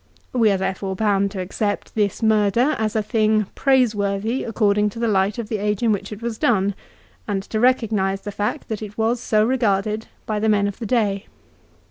2 We are therefore bound to accept this murder as a thing praiseworthy according to the light of the age in which it was done, and to recognise the fact that it was so regarded by the men of the day.